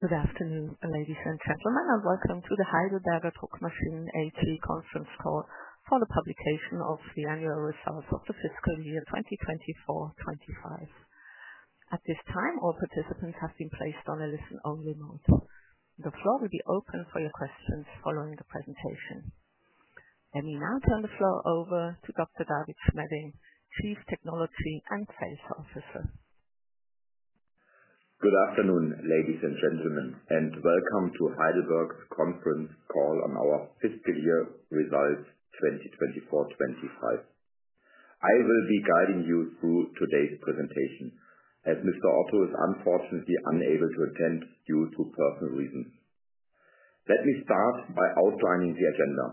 Good afternoon, ladies and gentlemen. Welcome to the Heidelberger Druckmaschinen AG conference call for the publication of the annual results of the fiscal year 2024/2025. At this time, all participants have been placed on a listen-only mode. The floor will be open for your questions following the presentation. Let me now turn the floor over to Dr. David Schmedding, Chief Technology & Sales Officer. Good afternoon, ladies and gentlemen, and welcome to Heidelberg's conference call on our fiscal year results 2024/2025. I will be guiding you through today's presentation, as Mr. Otto is unfortunately unable to attend due to personal reasons. Let me start by outlining the agenda.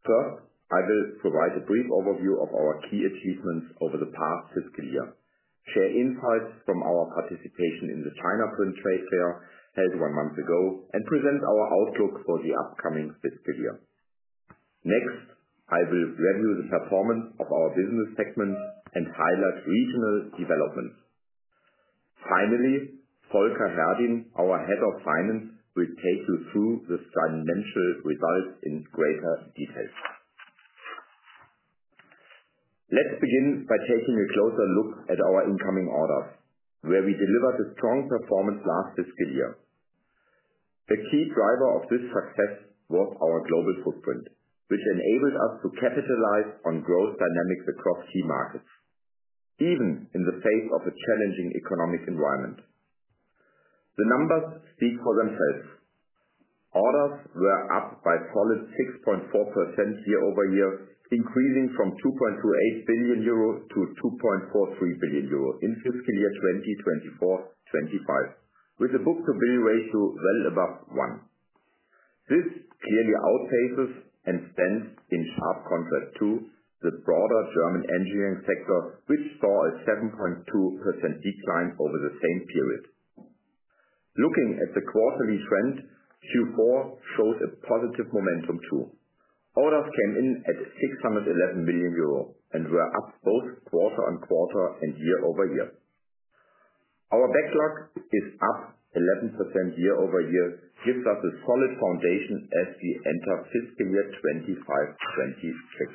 First, I will provide a brief overview of our key achievements over the past fiscal year, share insights from our participation in the China Print trade fair held one month ago, and present our outlook for the upcoming fiscal year. Next, I will review the performance of our business segments and highlight regional developments. Finally, Volker Herdin, our Head of Finance, will take you through the financial results in greater detail. Let's begin by taking a closer look at our incoming orders, where we delivered a strong performance last fiscal year. The key driver of this success was our global footprint, which enabled us to capitalize on growth dynamics across key markets, even in the face of a challenging economic environment. The numbers speak for themselves. Orders were up by a solid 6.4% year-over-year, increasing from 2.28 billion euro to 2.43 billion euro in fiscal year 2024/2025, with a book-to-bill ratio well above 1. This clearly outpaces and stands in sharp contrast to the broader German engineering sector, which saw a 7.2% decline over the same period. Looking at the quarterly trend, Q4 shows a positive momentum too. Orders came in at 611 million euro and were up both quarter and quarter and year-over-year. Our backlog is up 11% year-over-year, giving us a solid foundation as we enter fiscal year 2025/2026.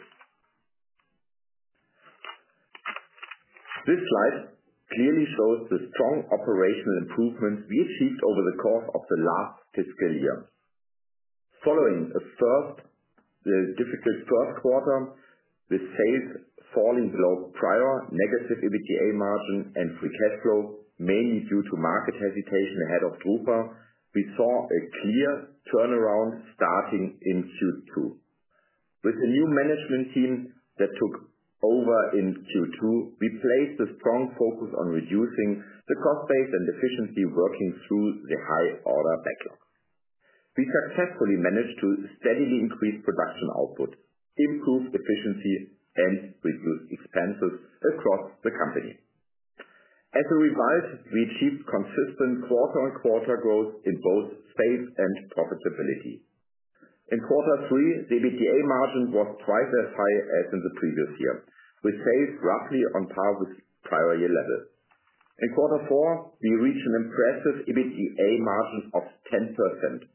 This slide clearly shows the strong operational improvements we achieved over the course of the last fiscal year. Following a difficult first quarter, with sales falling below prior negative EBITDA margin and free cash flow, mainly due to market hesitation ahead of Drupa, we saw a clear turnaround starting in Q2. With a new management team that took over in Q2, we placed a strong focus on reducing the cost base and efficiency, working through the high order backlog. We successfully managed to steadily increase production output, improve efficiency, and reduce expenses across the company. As a result, we achieved consistent quarter-on-quarter growth in both sales and profitability. In Quarter 3, the EBITDA margin was twice as high as in the previous year, with sales roughly on par with prior year levels. In Quarter 4, we reached an impressive EBITDA margin of 10%.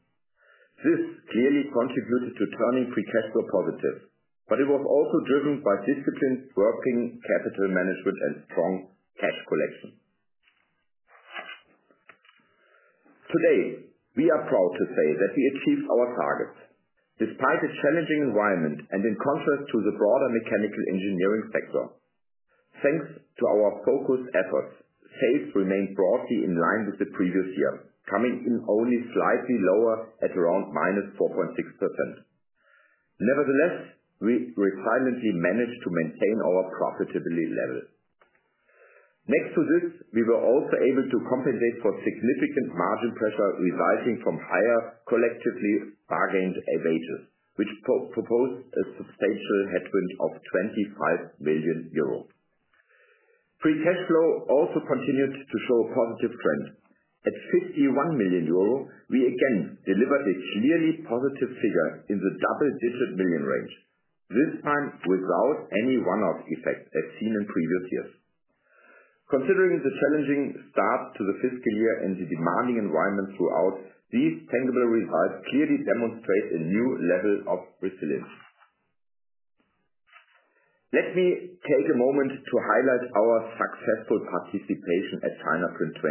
This clearly contributed to turning free cash flow positive, but it was also driven by disciplined working capital management and strong cash collection. Today, we are proud to say that we achieved our targets, despite a challenging environment and in contrast to the broader mechanical engineering sector. Thanks to our focused efforts, sales remained broadly in line with the previous year, coming in only slightly lower at around -4.6%. Nevertheless, we resiliently managed to maintain our profitability level. Next to this, we were also able to compensate for significant margin pressure resulting from higher collectively bargained wages, which proposed a substantial headwind of 25 million euros. Free cash flow also continued to show a positive trend. At 51 million euro, we again delivered a clearly positive figure in the double-digit million range, this time without any one-off effect as seen in previous years. Considering the challenging start to the fiscal year and the demanding environment throughout, these tangible results clearly demonstrate a new level of resilience. Let me take a moment to highlight our successful participation at China Print 2025,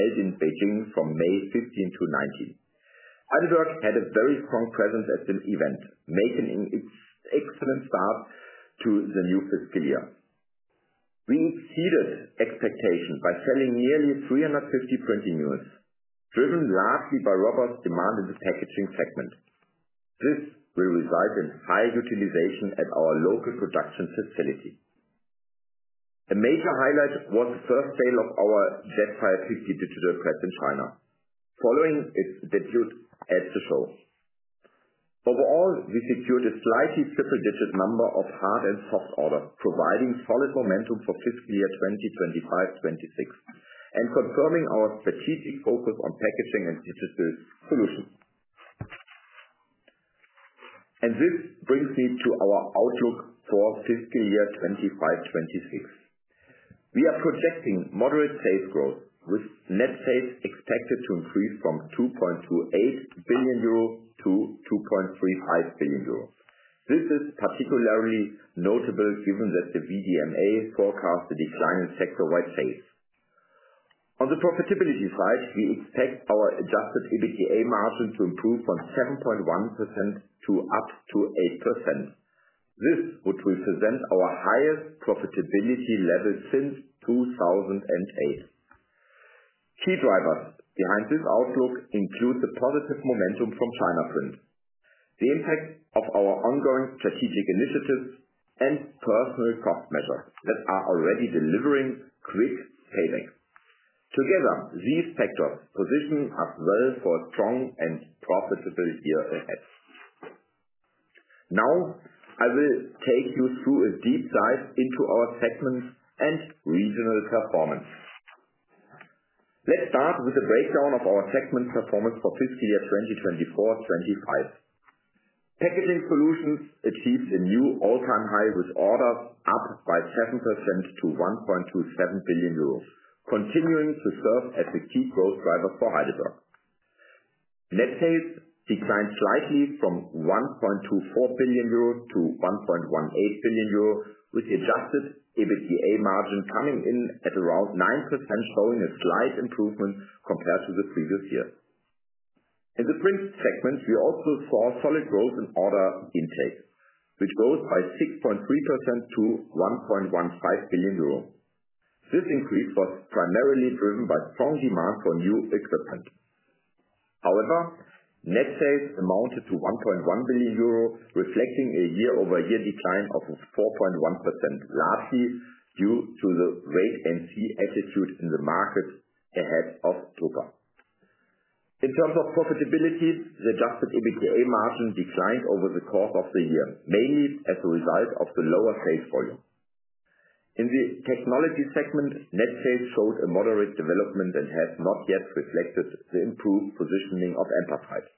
held in Beijing from May 15 to 19. Heidelberg had a very strong presence at the event, making an excellent start to the new fiscal year. We exceeded expectations by selling nearly 350 printing units, driven largely by robust demand in the packaging segment. This will result in high utilization at our local production facility. A major highlight was the first sale of our Jetfire 50 digital press in China, following its debut at the show. Overall, we secured a slightly triple-digit number of hard and soft orders, providing solid momentum for fiscal year 2025/2026 and confirming our strategic focus on packaging and digital solutions. This brings me to our outlook for fiscal year 2025/2026. We are projecting moderate sales growth, with net sales expected to increase from 2.28 billion euro to 2.35 billion euro. This is particularly notable given that the VDMA forecasts a decline in sector-wide sales. On the profitability side, we expect our adjusted EBITDA margin to improve from 7.1% to up to 8%. This would represent our highest profitability level since 2008. Key drivers behind this outlook include the positive momentum from China Print, the impact of our ongoing strategic initiatives, and personal cost measures that are already delivering quick payback. Together, these factors position us well for a strong and profitable year ahead. Now, I will take you through a deep dive into our segments and regional performance. Let's start with a breakdown of our segment performance for fiscal year 2024/2025. Packaging solutions achieved a new all-time high, with orders up by 7% to 1.27 billion euros, continuing to serve as a key growth driver for Heidelberg. Net sales declined slightly from 1.24 billion euro to 1.18 billion euro, with the adjusted EBITDA margin coming in at around 9%, showing a slight improvement compared to the previous year. In the print segment, we also saw solid growth in order intake, which rose by 6.3% to 1.15 billion euro. This increase was primarily driven by strong demand for new equipment. However, net sales amounted to 1.1 billion euro, reflecting a year-over-year decline of 4.1%, largely due to the rate and fee attitude in the market ahead of Drupa. In terms of profitability, the adjusted EBITDA margin declined over the course of the year, mainly as a result of the lower sales volume. In the technology segment, net sales showed a moderate development and have not yet reflected the improved positioning of Empatite.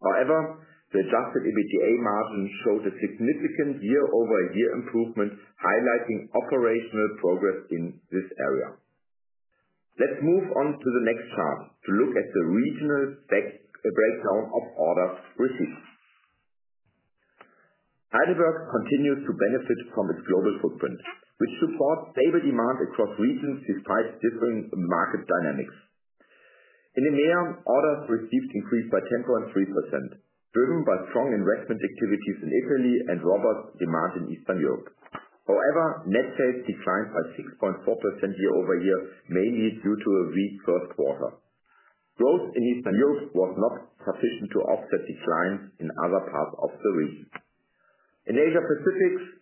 However, the adjusted EBITDA margin showed a significant year-over-year improvement, highlighting operational progress in this area. Let's move on to the next chart to look at the regional breakdown of orders received. Heidelberg continues to benefit from its global footprint, which supports stable demand across regions despite differing market dynamics. In EMEA, orders received increased by 10.3%, driven by strong investment activities in Italy and robust demand in Eastern Europe. However, net sales declined by 6.4% year-over-year, mainly due to a weak first quarter. Growth in Eastern Europe was not sufficient to offset declines in other parts of the region. In Asia-Pacific,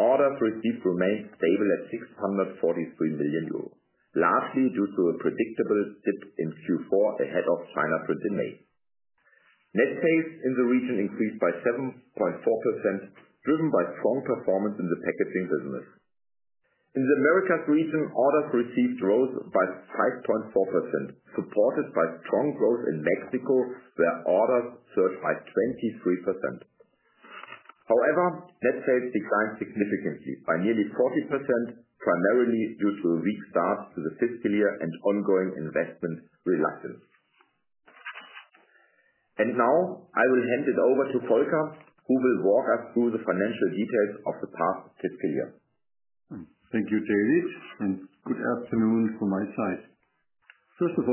orders received remained stable at 643 million euros, largely due to a predictable dip in Q4 ahead of China Print in May. Net sales in the region increased by 7.4%, driven by strong performance in the packaging business. In the Americas region, orders received rose by 5.4%, supported by strong growth in Mexico, where orders surged by 23%. However, net sales declined significantly by nearly 40%, primarily due to a weak start to the fiscal year and ongoing investment reluctance. I will hand it over to Volker, who will walk us through the financial details of the past fiscal year. Thank you, David, and good afternoon from my side. First of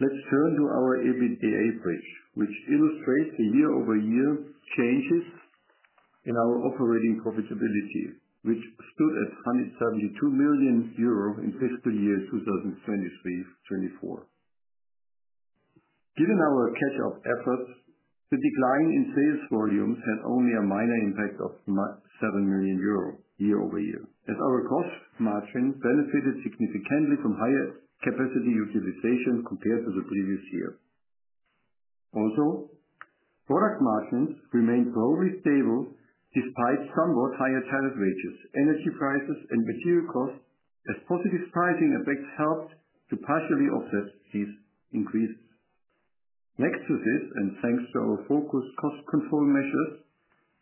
all, let's turn to our EBITDA bridge, which illustrates the year-over-year changes in our operating profitability, which stood at 172 million euro in fiscal year 2023/2024. Given our catch-up efforts, the decline in sales volumes had only a minor impact of 7 million euros year-over-year, as our cost margin benefited significantly from higher capacity utilization compared to the previous year. Also, product margins remained broadly stable despite somewhat higher tariff wages, energy prices, and material costs, as positive pricing effects helped to partially offset these increases. Next to this, and thanks to our focused cost control measures,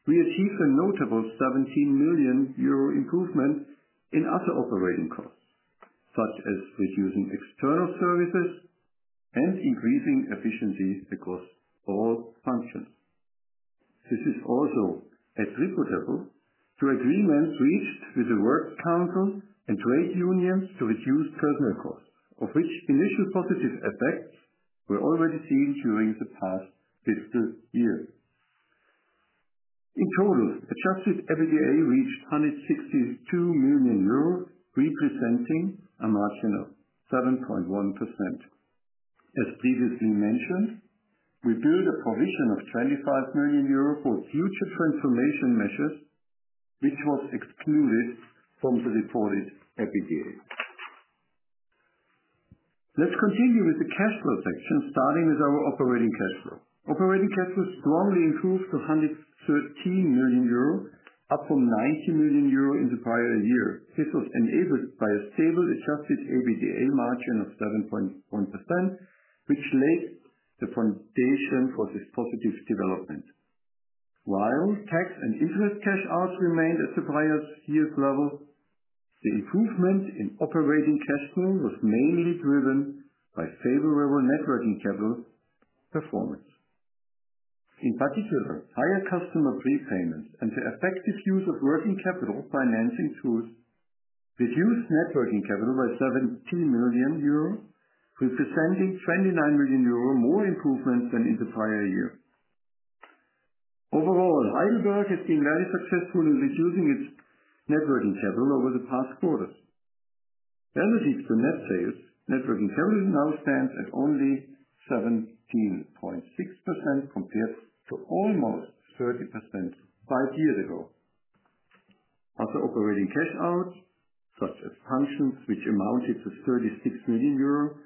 we achieved a notable 17 million euro improvement in other operating costs, such as reducing external services and increasing efficiency across all functions. This is also attributable to agreements reached with the Works Council and trade unions to reduce personnel costs, of which initial positive effects were already seen during the past fiscal year. In total, adjusted EBITDA reached 162 million euros, representing a margin of 7.1%. As previously mentioned, we built a provision of 25 million euro for future transformation measures, which was excluded from the reported EBITDA. Let's continue with the cash flow section, starting with our operating cash flow. Operating cash flow strongly improved to 113 million euro, up from 90 million euro in the prior year. This was enabled by a stable adjusted EBITDA margin of 7.1%, which laid the foundation for this positive development. While tax and interest cash outs remained at the prior year's level, the improvement in operating cash flow was mainly driven by favorable working capital performance. In particular, higher customer prepayments and the effective use of working capital financing tools reduced working capital by 17 million euro, representing 29 million euro more improvement than in the prior year. Overall, Heidelberg has been very successful in reducing its working capital over the past quarter. Relative to net sales, working capital now stands at only 17.6% compared to almost 30% five years ago. Other operating cash outs, such as pensions, which amounted to 36 million euro,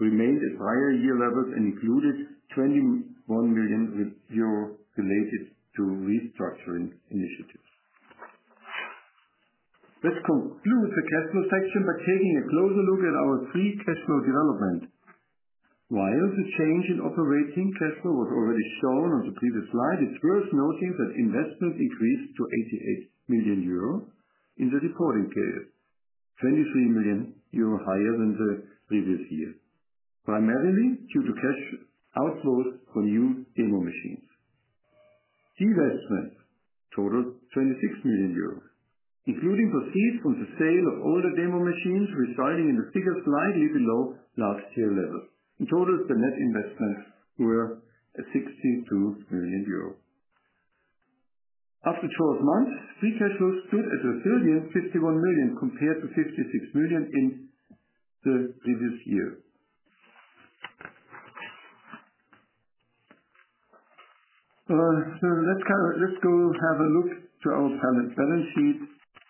remained at prior year levels and included 21 million euro related to restructuring initiatives. Let's conclude the cash flow section by taking a closer look at our free cash flow development. While the change in operating cash flow was already shown on the previous slide, it's worth noting that investment increased to 88 million euro in the reporting period, 23 million euro higher than the previous year, primarily due to cash outflows for new demo machines. Investment totaled EUR 26 million, including proceeds from the sale of older demo machines, resulting in a figure slightly below last year's levels. In total, the net investments were 62 million euro. After 12 months, free cash flow stood at a resilient 51 million compared to EUR 56 million in the previous year. Let's go have a look to our current balance sheet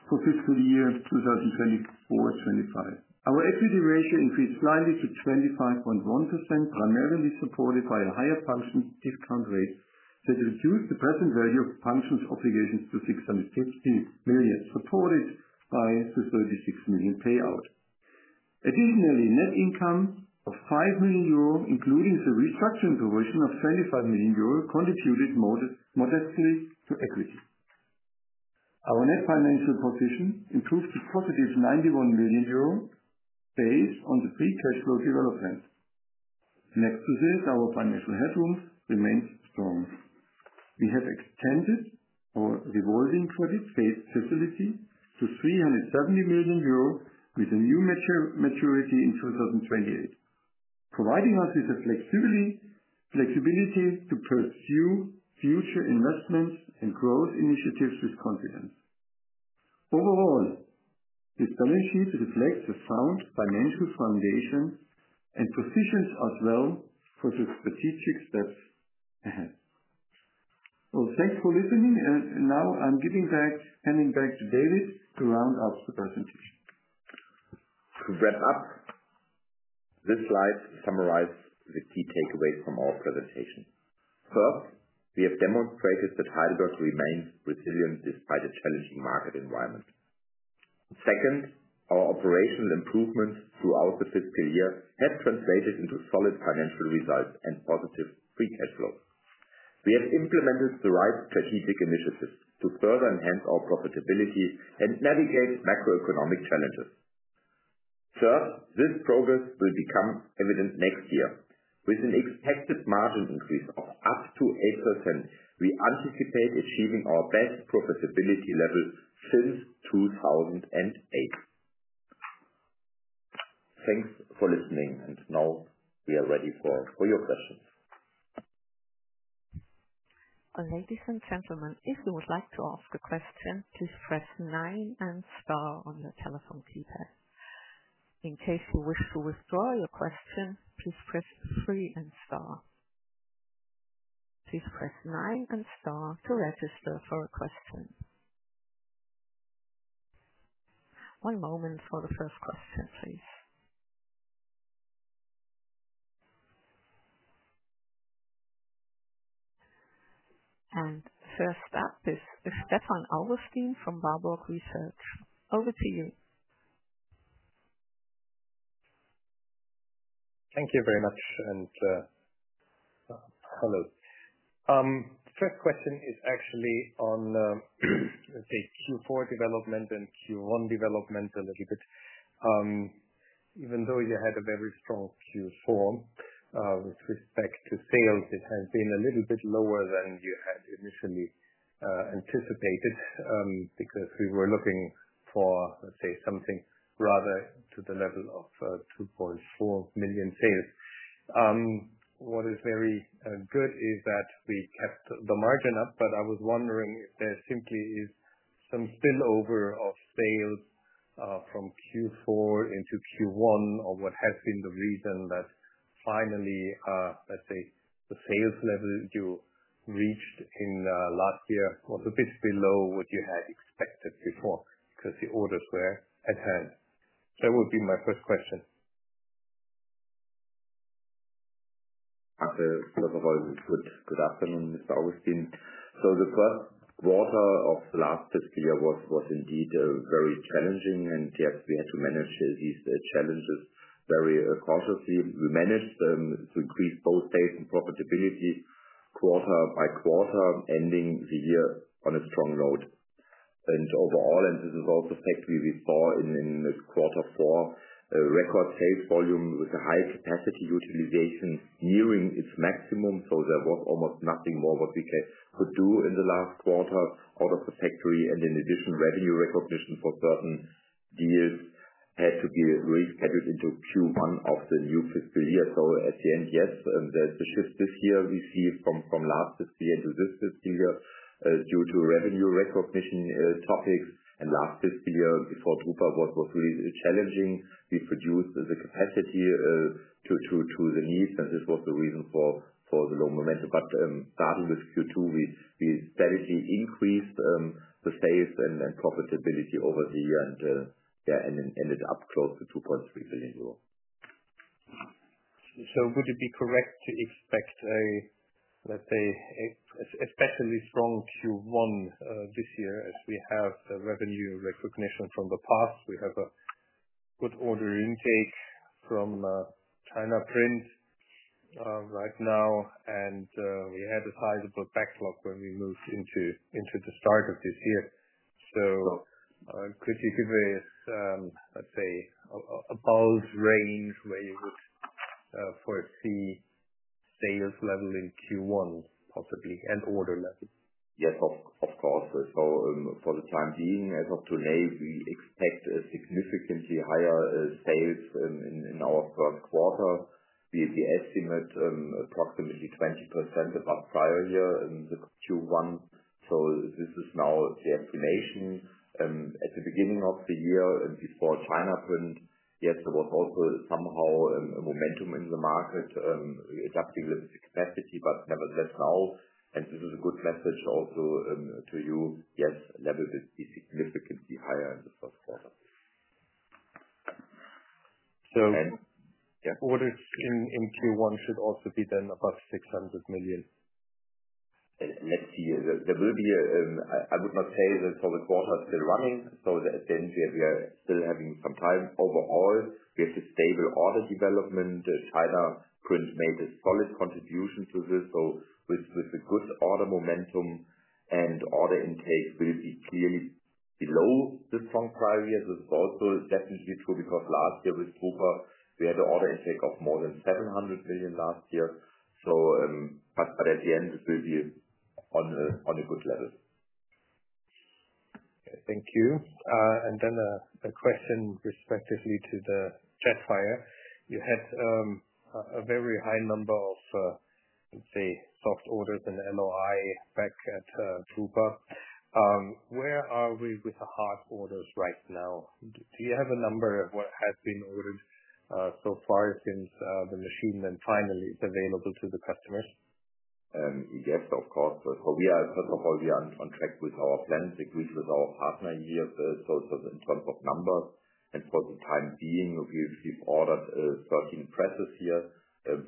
for fiscal year 2024/2025. Our equity ratio increased slightly to 25.1%, primarily supported by a higher pension discount rate that reduced the present value of pensions obligations to 650 million, supported by the 36 million payout. Additionally, net income of 5 million euro, including the restructuring provision of 25 million euro, contributed modestly to equity. Our net financial position improved to positive 91 million euro based on the free cash flow development. Next to this, our financial headroom remains strong. We have extended our revolving credit-based facility to 370 million euro with a new maturity in 2028, providing us with the flexibility to pursue future investments and growth initiatives with confidence. Overall, this balance sheet reflects a sound financial foundation and positions us well for the strategic steps ahead. Thanks for listening. Now I'm giving back, handing back to David to round out the presentation. To wrap up, this slide summarizes the key takeaways from our presentation. First, we have demonstrated that Heidelberg remains resilient despite a challenging market environment. Second, our operational improvements throughout the fiscal year have translated into solid financial results and positive free cash flows. We have implemented the right strategic initiatives to further enhance our profitability and navigate macroeconomic challenges. Third, this progress will become evident next year. With an expected margin increase of up to 8%, we anticipate achieving our best profitability level since 2008. Thanks for listening. Now we are ready for your questions. Ladies and gentlemen, if you would like to ask a question, please press nine and star on your telephone keypad. In case you wish to withdraw your question, please press three and star. Please press nine and star to register for a question. One moment for the first question, please. First up is Stefan Augustin from Warburg Research. Over to you. Thank you very much. Hello. The first question is actually on the Q4 development and Q1 development a little bit. Even though you had a very strong Q4 with respect to sales, it has been a little bit lower than you had initially anticipated because we were looking for, let's say, something rather to the level of 2.4 million sales. What is very good is that we kept the margin up, but I was wondering if there simply is some spillover of sales from Q4 into Q1, or what has been the reason that finally, let's say, the sales level you reached in last year was a bit below what you had expected before because the orders were at hand. That would be my first question. Dr. Silverholz, good afternoon, Mr. Augustin. The first quarter of the last fiscal year was indeed very challenging. Yes, we had to manage these challenges very cautiously. We managed to increase both sales and profitability quarter by quarter, ending the year on a strong note. Overall, and this is also a fact we saw in quarter four, record sales volume with a high capacity utilization nearing its maximum. There was almost nothing more we could do in the last quarter out of the factory. In addition, revenue recognition for certain deals had to be re-scheduled into Q1 of the new fiscal year. At the end, yes, the shift this year we see from last fiscal year into this fiscal year is due to revenue recognition topics. Last fiscal year before Drupa was really challenging. We produced the capacity to the needs, and this was the reason for the low momentum. Starting with Q2, we steadily increased the sales and profitability over the year, and it ended up close to 2.3 billion euro. Would it be correct to expect a, let's say, especially strong Q1 this year as we have revenue recognition from the past? We have a good order intake from China Print right now, and we had a sizable backlog when we moved into the start of this year. Could you give us, let's say, a bold range where you would foresee sales level in Q1 possibly and order level? Yes, of course. For the time being, as of today, we expect significantly higher sales in our first quarter. We estimate approximately 20% above prior year in Q1. This is now the estimation. At the beginning of the year and before China Print, yes, there was also somehow a momentum in the market adapting the capacity, but nevertheless now, and this is a good message also to you, yes, level will be significantly higher in the first quarter. Orders in Q1 should also be then above 600 million? Let's see. There will be a—I would not say that for the quarter still running. At the end, we are still having some time. Overall, we have a stable order development. China Print made a solid contribution to this. With a good order momentum, order intake will be clearly below the strong prior year. This is also definitely true because last year with Drupa, we had an order intake of more than 700 million last year. At the end, it will be on a good level. Thank you. A question respectively to the Jetfire. You had a very high number of, let's say, soft orders and LOI back at Drupa. Where are we with the hard orders right now? Do you have a number of what has been ordered so far since the machine then finally is available to the customers? Yes, of course. First of all, we are on track with our plans, agreed with our partner here. In terms of numbers, and for the time being, we have ordered 13 presses here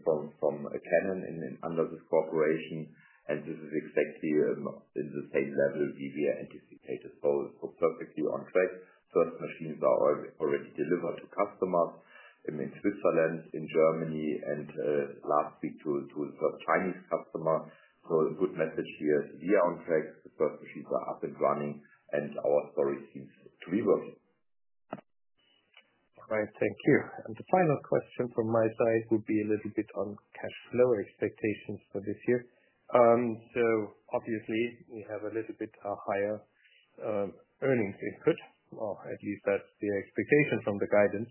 from Canon under this cooperation. This is exactly at the same level we anticipated, so perfectly on track. The first machines are already delivered to customers in Switzerland, in Germany, and last week to the first Chinese customer. A good message here is we are on track. The first machines are up and running, and our story seems to be working. All right. Thank you. The final question from my side would be a little bit on cash flow expectations for this year. Obviously, we have a little bit higher earnings input. At least that's the expectation from the guidance.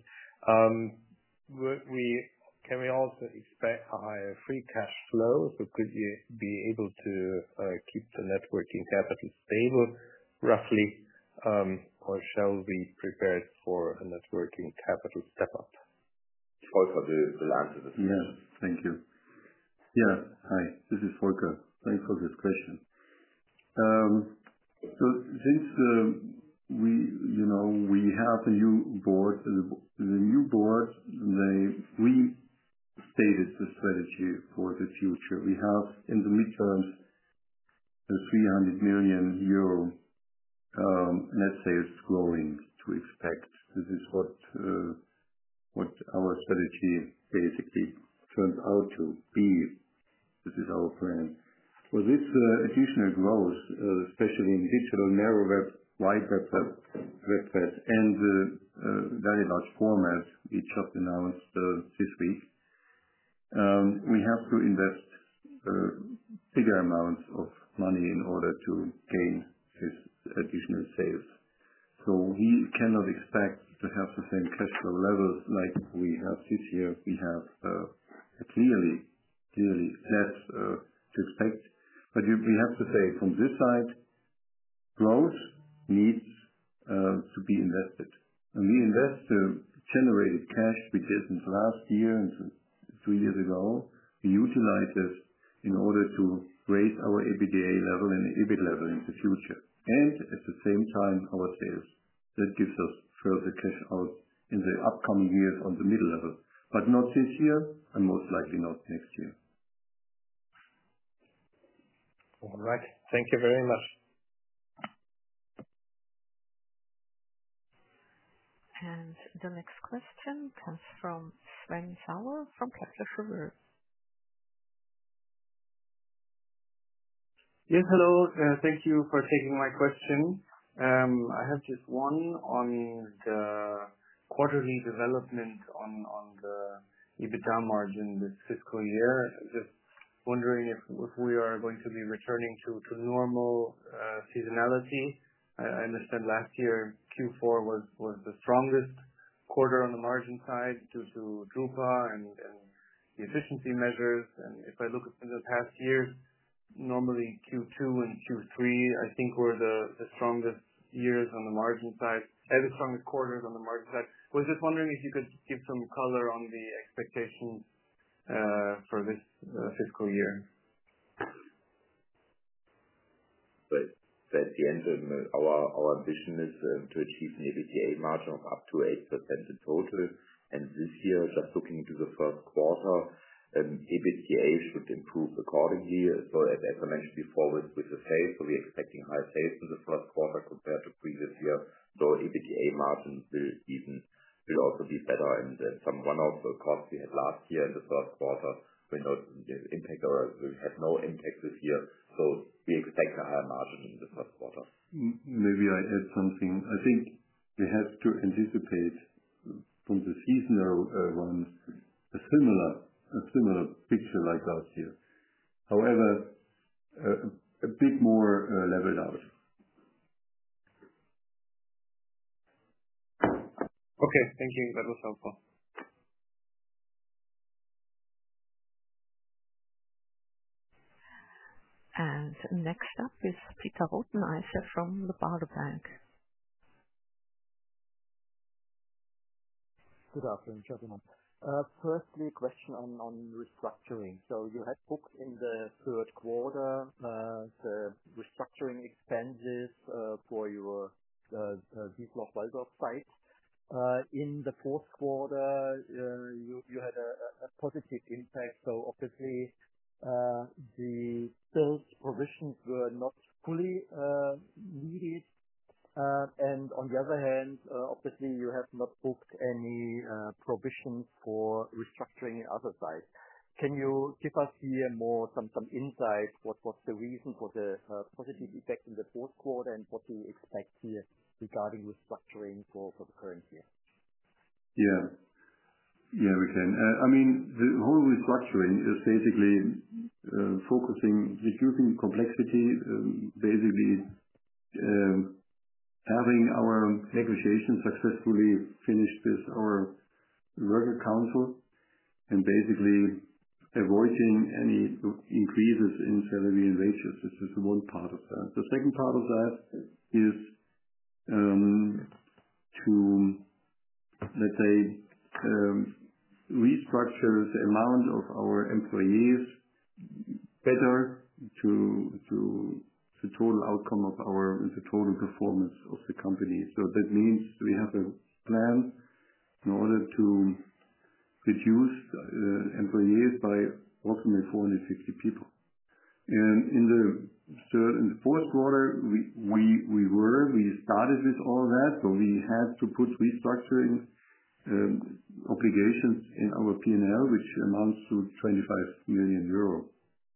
Can we also expect a higher free cash flow? Could we be able to keep the working capital stable roughly, or shall we prepare for a working capital step-up? Volker, the answer to this question. Yes. Thank you. Yeah. Hi. This is Volker. Thanks for this question. Since we have a new board, the new board, they restated the strategy for the future. We have in the midterms 300 million euro net sales growing to expect. This is what our strategy basically turns out to be. This is our plan. For this additional growth, especially in digital narrow web, wide web, and very large formats, which have been announced this week, we have to invest bigger amounts of money in order to gain this additional sales. We cannot expect to have the same cash flow levels like we have this year. We have clearly less to expect. We have to say from this side, growth needs to be invested. We invest the generated cash we did not last year and three years ago. We utilize this in order to raise our EBITDA level and EBIT level in the future. At the same time, our sales. That gives us further cash out in the upcoming years on the middle level, not this year and most likely not next year. All right. Thank you very much. The next question comes from Sven Sauer from Kepler Cheuvreux. Yes, hello. Thank you for taking my question. I have just one on the quarterly development on the EBITDA margin this fiscal year. Just wondering if we are going to be returning to normal seasonality. I understand last year Q4 was the strongest quarter on the margin side due to Drupa and the efficiency measures. If I look at the past years, normally Q2 and Q3, I think, were the strongest quarters on the margin side. I was just wondering if you could give some color on the expectations for this fiscal year. At the end, our ambition is to achieve an EBITDA margin of up to 8% in total. This year, just looking into the first quarter, EBITDA should improve accordingly. As I mentioned before with the sales, we're expecting higher sales in the first quarter compared to previous year. EBITDA margin will also be better in some runoff costs we had last year in the first quarter. We know the impact will have no impact this year. We expect a higher margin in the first quarter. Maybe I add something. I think we have to anticipate from the seasonal ones a similar picture like last year. However, a bit more leveled out. Okay. Thank you. That was helpful. Next up is Peter Rothenaicher from Baader Bank. Good afternoon, gentlemen. Firstly, a question on restructuring. You had booked in the third quarter the restructuring expenses for your Wiesloch-Waldorf site. In the fourth quarter, you had a positive impact. Obviously, the sales provisions were not fully needed. On the other hand, you have not booked any provisions for restructuring the other site. Can you give us here some insight? What was the reason for the positive effect in the fourth quarter and what do you expect here regarding restructuring for the current year? Yeah. Yeah, we can. I mean, the whole restructuring is basically focusing on reducing complexity, basically having our negotiations successfully finished with our worker council, and basically avoiding any increases in salary and wages. This is one part of that. The second part of that is to, let's say, restructure the amount of our employees better to the total outcome of our total performance of the company. That means we have a plan in order to reduce employees by approximately 450 people. In the fourth quarter, we started with all that, but we had to put restructuring obligations in our P&L, which amounts to 25 million euro,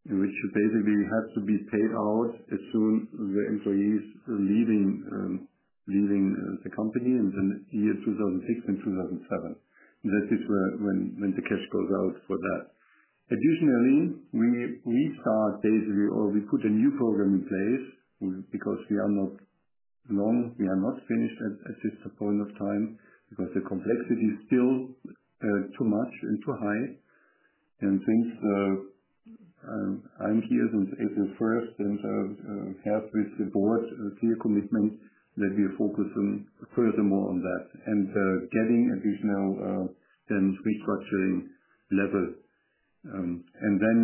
which basically has to be paid out as soon as the employees are leaving the company in the year 2006 and 2007. That is when the cash goes out for that. Additionally, we restart basically, or we put a new program in place because we are not long, we are not finished at this point of time because the complexity is still too much and too high. Since I am here since April 1, since I have with the board a clear commitment that we focus furthermore on that and getting additional restructuring level. Then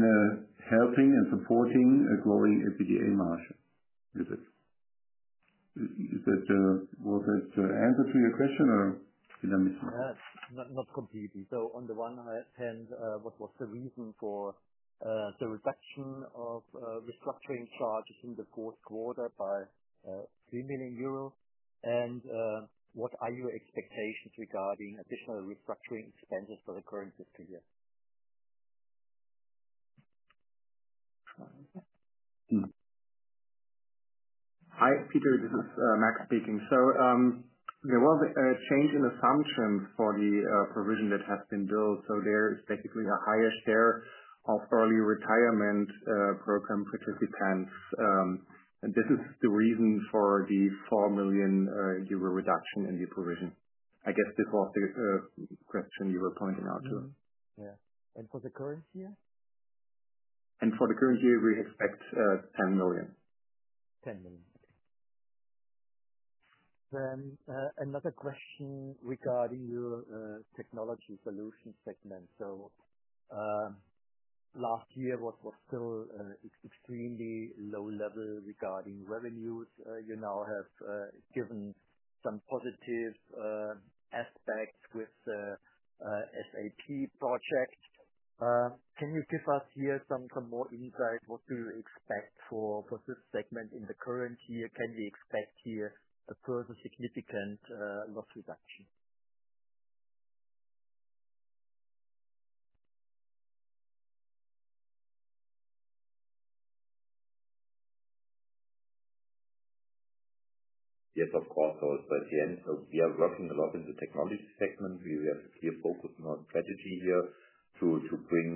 helping and supporting a growing EBITDA margin with it. Was that the answer to your question or did I miss it? Not completely. On the one hand, what was the reason for the reduction of restructuring charges in the fourth quarter by 3 million euros? What are your expectations regarding additional restructuring expenses for the current fiscal year? Hi, Peter, this is Max speaking. There was a change in assumptions for the provision that has been built. There is basically a higher share of early retirement program participants. This is the reason for the 4 million euro reduction in the provision. I guess this was the question you were pointing out too. Yeah. For the current year? For the current year, we expect 10 million. 10 million. Okay. Another question regarding your technology solution segment. Last year, what was still extremely low level regarding revenues, you now have given some positive aspects with the SAP project. Can you give us here some more insight? What do you expect for this segment in the current year? Can we expect here a further significant loss reduction? Yes, of course. At the end, we are working a lot in the technology segment. We have a clear focus on our strategy here to bring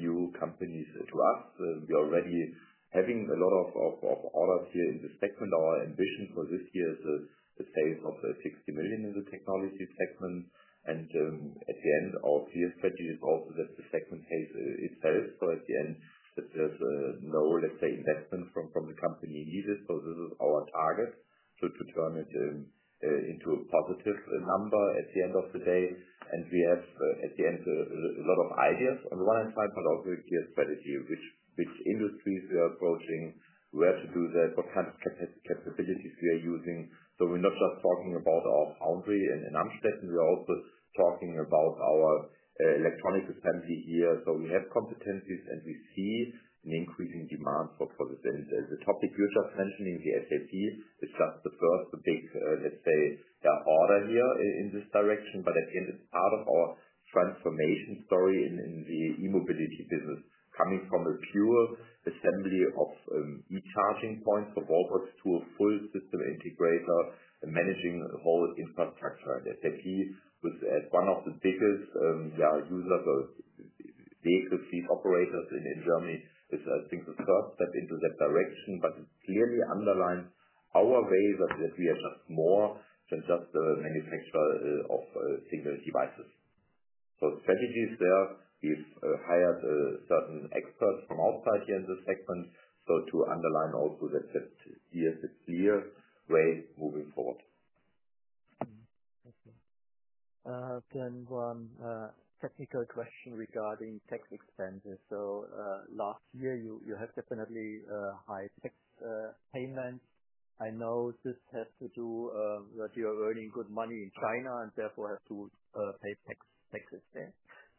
new companies to us. We are already having a lot of orders here in the segment. Our ambition for this year is the sales of 60 million in the technology segment. At the end, our clear strategy is also that the segment pays itself. At the end, there is no, let's say, investment from the company needed. This is our target to turn it into a positive number at the end of the day. We have at the end a lot of ideas on one hand side, but also a clear strategy, which industries we are approaching, where to do that, what kind of capabilities we are using. We are not just talking about our foundry in Amstetten. We are also talking about our electronics assembly here. We have competencies and we see an increasing demand for this. The topic you are just mentioning, the SAP, is just the first big, let's say, order here in this direction. At the end, it is part of our transformation story in the e-mobility business, coming from a pure assembly of e-charging points for Volvo to a full system integrator, managing the whole infrastructure. SAP was one of the biggest users of vehicle fleet operators in Germany. It is the first step into that direction, but it clearly underlines our ways that we are just more than just the manufacturer of single devices. Strategy is there. We have hired certain experts from outside here in the segment to underline also that it is a clear way moving forward. Thank you. Then one technical question regarding tax expenses. Last year, you have definitely high tax payments. I know this has to do that you're earning good money in China and therefore have to pay taxes there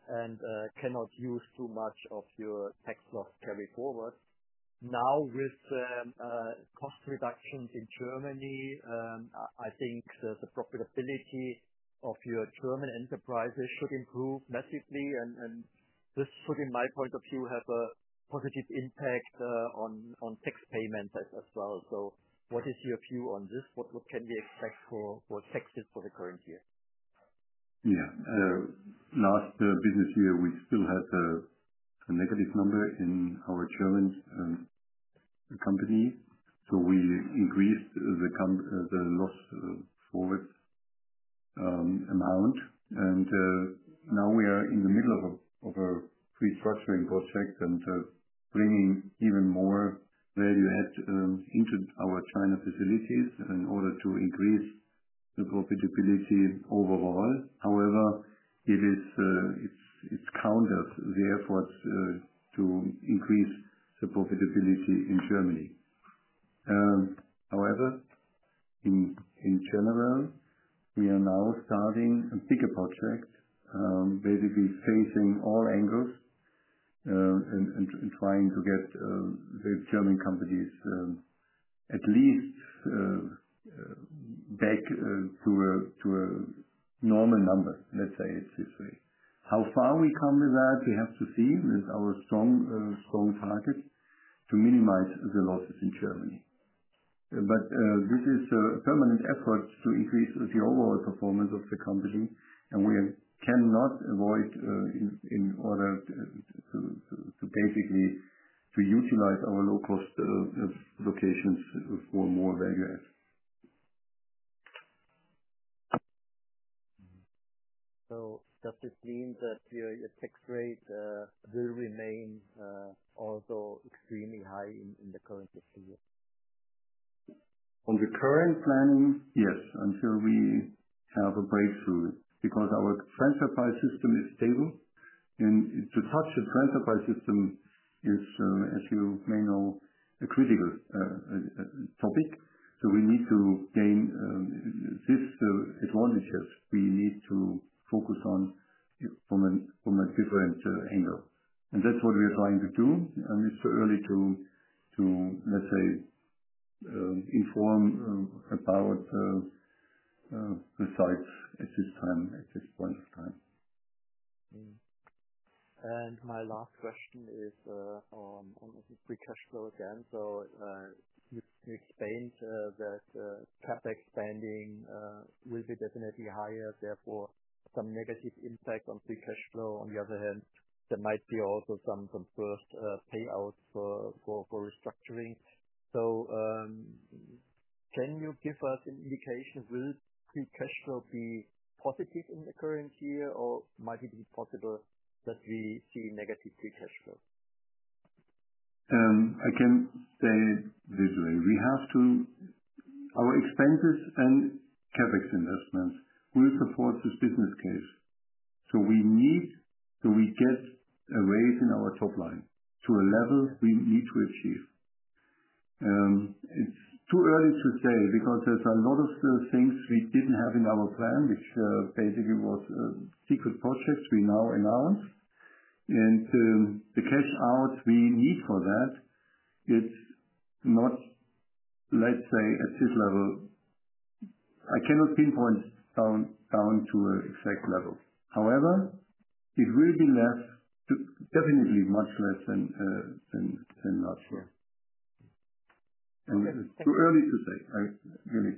and cannot use too much of your tax loss carry forward. Now, with cost reductions in Germany, I think the profitability of your German enterprises should improve massively. This should, in my point of view, have a positive impact on tax payments as well. What is your view on this? What can we expect for taxes for the current year? Yeah. Last business year, we still had a negative number in our German company. So we increased the loss forward amount. Now we are in the middle of a restructuring project and bringing even more value add into our China facilities in order to increase the profitability overall. However, it has countered the efforts to increase the profitability in Germany. However, in general, we are now starting a bigger project, basically facing all angles and trying to get the German companies at least back to a normal number, let's say it this way. How far we come with that, we have to see. It's our strong target to minimize the losses in Germany. This is a permanent effort to increase the overall performance of the company. We cannot avoid, in order to basically utilize our low-cost locations for more value add. Does this mean that your tax rate will remain also extremely high in the current fiscal year? On the current planning, yes, until we have a breakthrough. Because our transfer price system is stable. To touch the transfer price system is, as you may know, a critical topic. We need to gain these advantages. We need to focus on it from a different angle. That is what we are trying to do. It is too early to, let's say, inform about the sites at this time, at this point of time. My last question is on free cash flow again. You explained that CapEx spending will be definitely higher. Therefore, some negative impact on free cash flow. On the other hand, there might be also some first payouts for restructuring. Can you give us an indication? Will free cash flow be positive in the current year, or might it be possible that we see negative free cash flow? I can say it this way. We have to, our expenses and CapEx investments will support this business case. We need to get a raise in our top line to a level we need to achieve. It's too early to say because there's a lot of things we didn't have in our plan, which basically was a secret project we now announced. The cash out we need for that, it's not, let's say, at this level. I cannot pinpoint down to an exact level. However, it will be less, definitely much less than last year. It's too early to say, really.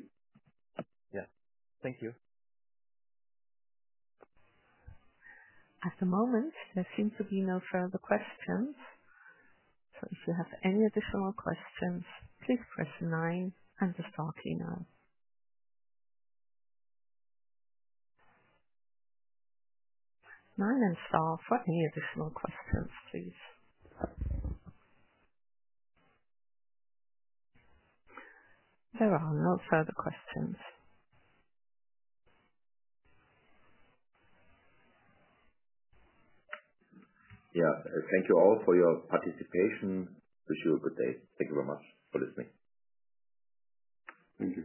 Yeah. Thank you. At the moment, there seem to be no further questions. If you have any additional questions, please press nine and the star key now. Nine and star. Any additional questions, please? There are no further questions. Yeah. Thank you all for your participation. Wish you a good day. Thank you very much for listening. Thank you.